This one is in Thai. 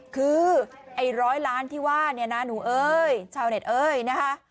คือไอ้ร้อยล้านที่ว่าเนี่ยนะหนูเอ้ยชาวเน็ตเอ้ยนะคะ